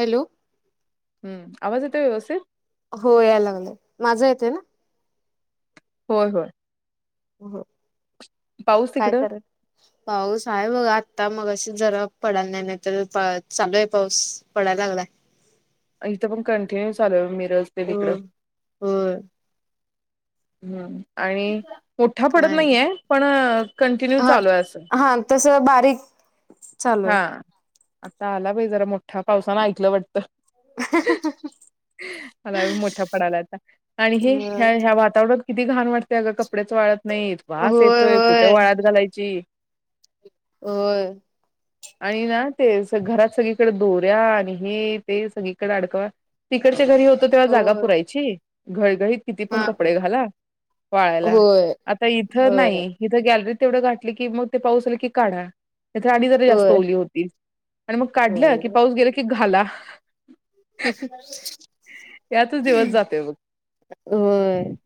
Hello. हम्. आवाज येतोय व्यवस्थित? हो यायला लागलंय. माझा येतोय ना? होय होय. हो पाऊस काय तिकडं? कर पाऊस आहे बघ आता मग अशी जरा पडायला नाही नाही तर चालू आहे पाऊस पडायला लागलाय आथं पण कंटिन्यू चालू मिरज ते हो तिकडं हो हम्म आणि मोठा पडत काय नाही आहे पण कंटिन्यू हा चालू आहे असं हा तस बारीक चालू हा आहे आता आला भाई जरा मोठा पावसानं ऐकलं वाटतं [unintelligible] मला मोठ्या पडला आता आणि हे ह्या ह्या वातावरण किती घाण वाटतेय, अगं कपडे्याच वाळत नाही, वास होय येतोय, कुठे होय वाळत घालायची? होय आणि ना ते घरात सगळीकडे दोऱ्या आणि हे ते सगळीकडे अडकवा तिकडच्या घरी होतो तेव्हा जागा होय पुरायची [unintelligible] किती पण हा कपडे घाला वळायला होय आता इथ होय नाही इथ गॅलरीत तेवढं गाठले की मग ते पाऊस आल की काढा तर आणि जरी जास्त होय ओली होती आणि मग काढलं की होय पाऊस गेला की घाला यातच दिवस जातोय बघ होय [unintelligible]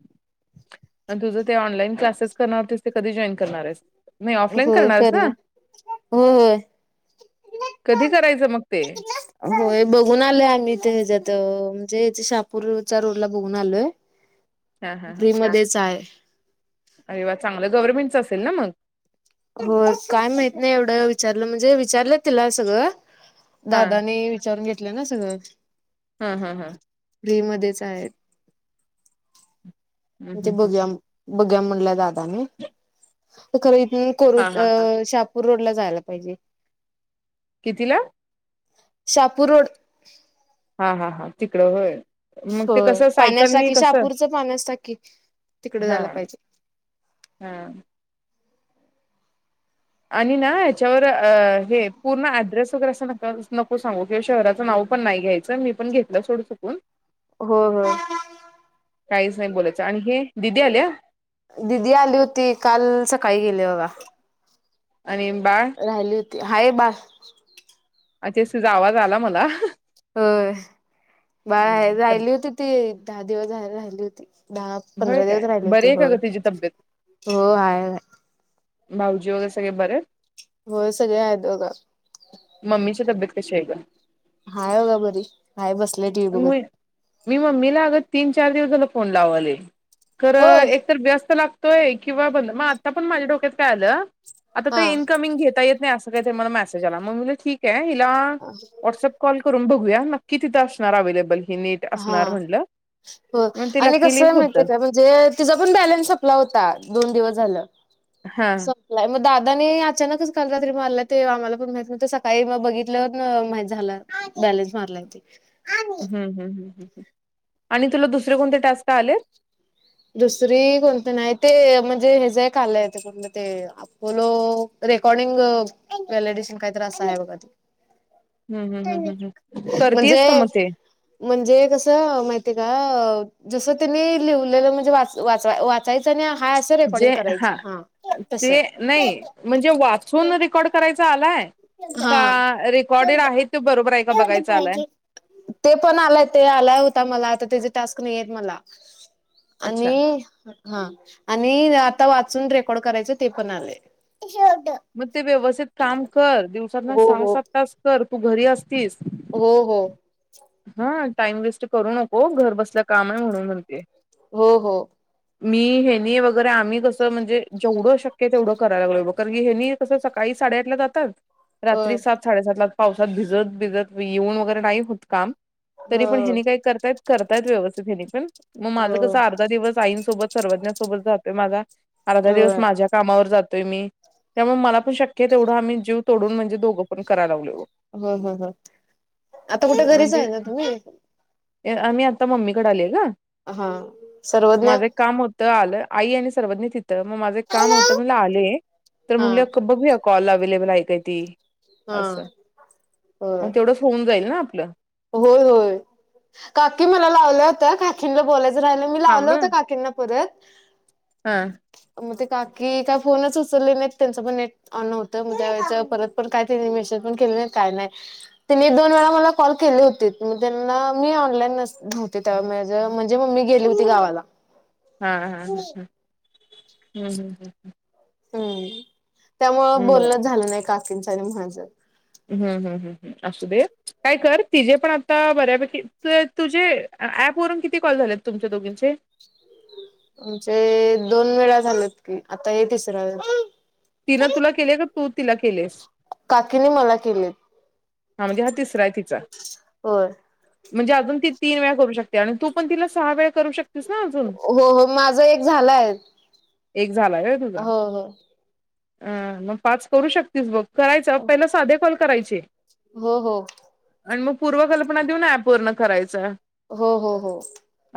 आणि तुझं ते ऑनलाइन क्लासेस करणार तुस ते कधी जॉईन करणार आहेस? नाही ऑफलाईन हो आहेस ना करणार हो हो कधी करायचं मग ते होय बघून आलो आम्ही ते हेच्यात म्हेथ शापूरच्या रोड ला बघून आलोय हां हां हां फ्री मध्येच आहे अरे वा चांगलं गव्हर्नमेंटचं असेल ना मग! हो काय माहित नाही एवढं विचारलं म्हणजे विचारलं तिला सगळं हां दादाने विचारून घेतलं ना सगळं. हम् हम् हम् फ्री मध्येच आहेत हं, हं, हं. बघूया बघूया म्हणल्या दादा खर हां हां हां हितून शहापूर रोड ला [inaudible] [unintelligible] पाहिजे कितीला? शहापू रोड हा हा हा तिकडं होय हं हो पाण्याचा शापूरच पाण्यासाठी तिकड झाला पाहिजे हम्म आणि ना याच्यावर अ हे पूर्ण ऍड्रेस वगैरे अस नका नको सांगू किंवा शहराचं नाव पण नाही घ्यायच मी पण घेतलं सोड हो हो काहीच नाही बोलायचं आणि हे दिदी आल्या.. दिदी आली होती काल सकाळी गेले बघा.. आणि बाळ! राहिली होती हाय बा अच्छा त्याजा आवाज आला मला होय बाळा राही राहिली होती ती दहा दिवस राहिली होती दहा होय पंधरा दिवस काय राहिले बरी होते आहे का हो ग तिची तब्येत हो आहेय भाऊजी वगैरे सगळे बरे होय सगळे आहेत दोघं मम्मीच्या तब्येत कशी आहे ग हाय उग बरी. हाय बसले टीव्ही बघत मी मम्मीला आगत तीन चार दिवस झाला फोन लावाले होय खरं एक तर व्यस्त लाग तोय किंवा बंद मग आता पण माझ्या डोक्यात काय आलं आता हा ते इनकमिंग घेता येत नाही आस मं मला मेसेज आला मग मी म्हटलं ठीक हें हिला व्हाट्सअप कॉल करून बघूया नकी तिथं [unintelligible] अवेलेबल नीट असणार हा म्हटल हो आणि कसं माहिती का म्हणजे तिचा पण बॅलन्स संपला होता दोन दिवस झालं हा संपलाय मग दादा दादाने आणि अचानकच काल रात्री मारला ते आम्हाला पण माहित नव्हतं सकाळी म बघितलं माहित झालं. बॅलेन्स मारला हम्म हम्म आणि तुला दुसरे कोणते टास्क आले? दुसरी कोणत नाही ते म्हणजे हेजा एक आलंय ते आपलो ते रेकॉर्डिंग व्हलडिशन काहीतरी असं आहे बघा हम्म हम्म ते हम्म हम्म म्हणजे, करतेयस का मग ते म्हणजे कस माहितीये का? अ जस त्यांनी लिवलेलं म्हणजे वा वा वाचायच जे हा तसं ते नाइ म्हणजे वाचून रेकॉर्ड करायचा आलाय? हा का रेकॉर्डेड आहे, तू बर ते पण आय ते आलाय होता मला आता ते टास्क मला अच्छा आणि [unintelligible] हा आणि आता वाचून रेकॉर्ड करायच ते पण आलेय. मग ते व्यवस्थित काम कर दिवसातन हो सहा हो सात तास कर तू घरी असतीस हो हो हा टाइम वेस्ट करू नको घर बसल्या काम आहे म्हणून म्हणतेय हो हो. मी हेनी वगैरे आम्ही कस म्हणजे जेवढ शक्य तेवढ करायला लागलो बग हेनी हे कस सकाळी साडे आठला जातात रात्री होय सात साडेसात ला पावसात भिजत भिजत येऊन वगैरे नाही होत काम तरी हो पण हेनी काय करतायत करतायत व्यवस्थित हेनी पण मग माझ कस हो अर्धा दिवस आईंसोबत, सर्वज्ञांसोबत जातोय माझा, अर्धा दिवस होय माझ्या कामावर जात मी त्यामुळे मला पण शक्य आहे तेवढा आम्ही जीव तोडून म्हणजे दोघ पण कराय लागलोय बघ हो हो हो, आता कुठे घरीच म्हणजे आहे ना तुम्ही? आम्ही आता मम्मी कडे आलीय ग. हा, सर्वज्ञ? माझं एक काम होतं आलं आई आणि सर्वज्ञ तिथं मग माझे एक काम होत म आले तर हा म्हणल बघूया कॉल अव्लेबल आहे काय ती, हा अस मग तेवढच होऊन जाईल ना आपल. हो हो होय काकी मला लावल होत काकीना बोलायच राहिल मी लावल थांब होत काकींना परत हं. म ते काकी का फोनच उचलले नायित त्यांच पण नेट ऑन होत म्हंजे परत पण काय ते मेसेज पण केले नायी काय नायी. ते मी दोन वेळा मला कॉल केली होतेत त्यांना मी ऑनलाईन म्हजे मी [unintelligible] ती गावाला. हा हम हममम्मम्मम्मम. हम्म त्यामुळ बोलण बरं झाल नाही काकींचं आणि माज. हम् हम् हम् असू देत काय कर तिजे पण आता बऱ्यापैकी तुझे ऍप वरून किती कॉल झालेत तुमच्या दोघीचे? [inaudible] म्हणजे दोन वेळा झाल्यात की आता ये तिसऱ्या वेळी. तिन तुला केले का? तू तिला केलेस? काकीने मला केलेत. हा म्हणजे हा तिसरा ये तिचा. होय म्हणजे अजून ती तीन वेळ करू शकते आणि तू पण तिला सहा वेळा करू शकतेस ना अजून हो हो माझ एक झालाय. एक झालाय व्हय तुझा? हो अ मग पाच करू शकतेस बघ करायच हो पहिले साधे कॉल करायचे. हो हो आणि मग पूर्वकल्पना देऊन एप वरून करायच. हो हो हो.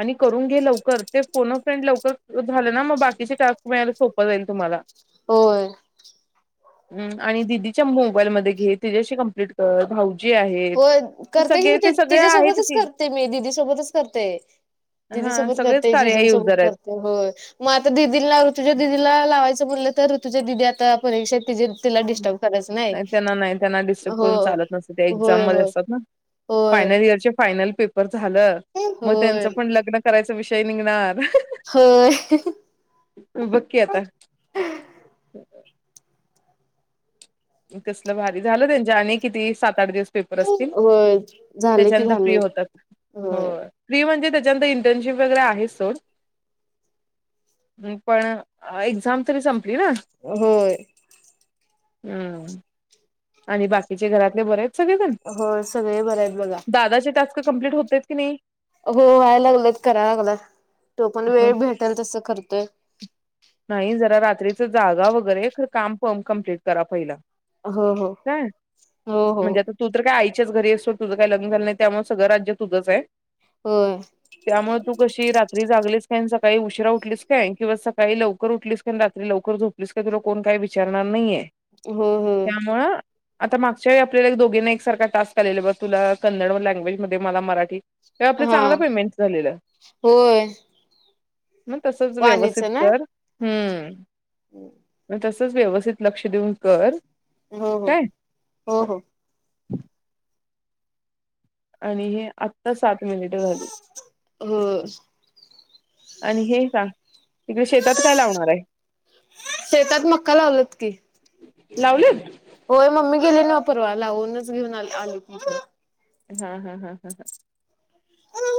आणि करून घे लवकर ते फोन ऑफ फ्रेंड लवकर झाले ना मग बाकीचे टास्क मिळायला सोप जाईल तुम्हाला. होय. आणि दिदीच्या मोबाइल मदे घे तीच्याशी कंम्प्लिट कर, भाऊ हो, करते की मी आहेत तिच्यासोबतच की करते मी दिदी सोबतच करतेय. दिदी हा सोबत सगळेच करते, कार्या जिजुन सोबत युजर आहेत करते, होय मग आता दिदींना ऋतूच्या दिदीला लावायच तर ऋतुजा दिदी आता परीक्षेत तिचे नाही त्यांना नाही त्यांना डिस्टर्ब हो करून चालत नसते होय होय ते होय [unintelligible] फायनल पेपर झालं मग त्यांच होय पण लग्न करायचा विषय निघणार होय बककीता कसलं भारी झालं त्यांच्या आणि किती सात आठ दिवस होय झाले [inaudible] की झाले होय इंटर्नशिप वगैरे आहे ह् पण एक्झाम तरी सप होय ह आणि बाकीचे घरातले बरेच सगळेजण होय सगळे बरे आहेत बघा दादाचे टास्क कम्प्लीट होते की नाही हो व्हायला लागलत करायला लागला तो पण हा, वेळ भेटेल तस करतोय नाही जरा रात्रीच जागा वगैरे काम प कमप्लीट करा पहिला हो हो काय हो हो म्हणजे आता तू तर काय आयच च घरी असत तझं काही लग्न झालं नाही त्यामुळे सगळ राज्य तुझंच आहे होय त्यामुळे तू कशी रात्री जागलीस का सकाळी उशिरा उठलीस काय किंवा सका काही लवकर उठलीस काण रात्री लवकर झोपलीस का तुला कोण काही विचारणार नाहीये हो होम त्यामुळं आता मागच्या आपल्याला एक दोघींना एक सारखा टास्क आलेला ब तुला कन्नड लँग्वेज मध्ये मला मराठी का आपलं हा चांगलं पेमेंट झालेलं होय मग तसच व्यवस्थित वाणीचं ना कर हम्म म तस व्यवस्थित लक्ष देऊन कर हो हो काय हो हो आणि हे आत्ता सात मिनिट झाली होम आणि हे सांग तिकडे शेतात काय लावणार आहे शेतात मक्का लावलत की लावलेत होय मम्मी गेले ना वा परवा लावूनच घेऊन आ आल क हा हा हा हा हा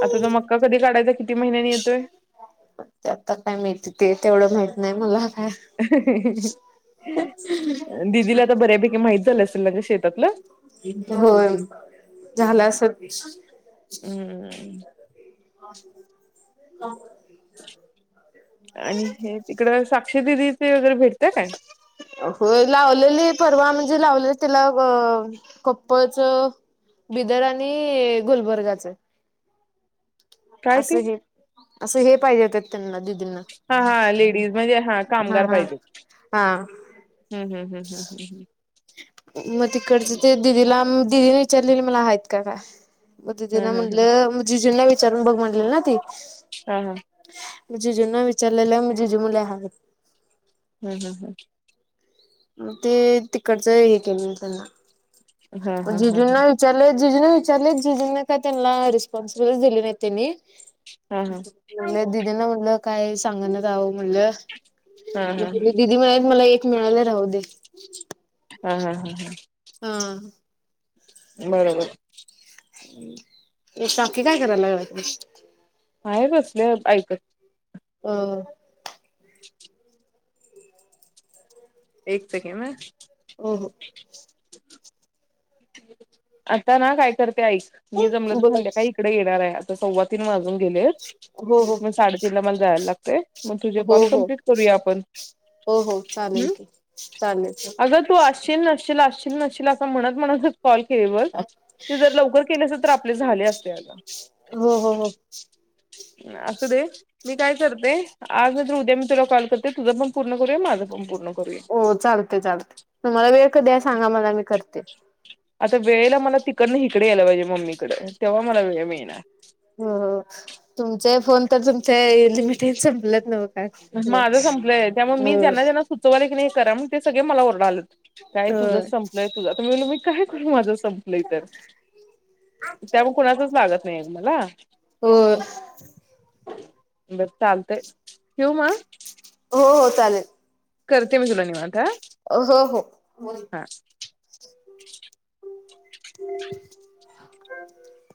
आता तो मक्का कधी काढायचा किती महिन्यानी येतोय ते आता काय माहिती ते तेवढं माहित नाही मला काय दिदीला तर बऱ्यापैकी माहित झालं लगे येतातलं हो झालं अस हम्म ह अ आणि हे तिकड साक्षी दिदी हो लावलेली परवा म्हणजे जे लाव त्याला कप्पच बिदर आणि गुलबर्गाच प्रायती असं हे असं हे पाहिजेेतात त्यांना दि हा हा लेडीज म्हणजे हा कामगार पाहिजे हा हम्म हम्म. हम्म, हम्म, हम्म, हम्म, हम्म. मग तिकडचं ते दिदीला दिदीने विचारलेली मला आहेत का. मग दिदिला म्हटलं जिजुना विचारून बघ म्हटलेलं ना ती. हा हा. जिजूनना विचारलेला जिजु म्हटले हा. हम्म हम्म हम्म. मग ते तिकडचं हे केले त्यांना. हा हा हा जिजुना विचरले जीजीने विचारले जीजू काय त्यांना रिस्पॉन्सिबिलिटी दिली नाही त्यांनी. हा हा हा म्ह दिदीयांना म्हणलं काय सांगणच जावं म्हटलं. हा हा हा हा हा मग दिदी म्हणात मला एक मिळाले राहू दे हा हा हा हा. हा बरोबर. की काय करायला लागत. आहे कसले ऐकत हो. [unintelligible] एक सेकंड ह हो आता ना काय करते ऐक मी जमलं हो तर बोला म्हणते की काय इकडे येणार आहे आता सव्वा तीन वाजत. गेले हो हो म साडेतीन ला मला जायला लागते. मग तुझे हो कॉल हो कमप्लीट करूया आपण. हो हो हम्म चालेल की चालेल. असील नशील असशील नशील असं म्हणत म्हणत. कॉल केले ते जर लवकर केले असल तर आपले झाले असते. हो हो हो असू दे. मी काय करते आज नंतर उद्या मी तुला कॉल करते तुझ पण पूर्ण करुया माझं पण पूर्ण करू. हो चालते चालते तु मला वेळ कधी आहे सांगा मला मी करते. आता वेळेला मला तिकडन हिकडे यायला पाहिजे मम्मीकडे तेव्हा मला वेळ मिळणार. हो हो तुमचे फोन तर तुमच्या लिमिटेड संपलत नव्हं माझं संपलंय त्यामुळे मी ज्यांना ज्यांना सुचवले की नाही हे करा मग ते सगळे मला ओरडाले. काय तुझंच हो संपलंय तुझा आता म्ही काय करू माझंच संपलं तर त्यामुळे कोणाचच लागत नाही मला. बस चालतय ठेऊ म. हो हो चालेल. करर्ते मसला निवांत. हा. हो हो. हा. [unintelligible]